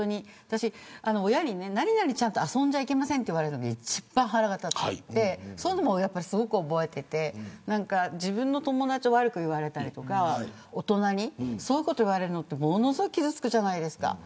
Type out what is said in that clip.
親に、何々ちゃんと遊んじゃいけませんと言われるのが一番腹が立ってそういうのもすごく覚えていて自分の友達を悪く言われたり大人にそういうことを言われるのってものすごく傷つくじゃないですか。